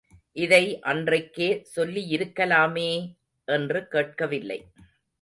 இதை அன்றைக்கே சொல்லியிருக்கலாமே! என்று கேட்கவில்லை.